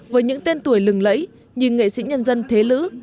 với những tên tuổi lừng lẫy như nghệ sĩ nhân dân thế lữ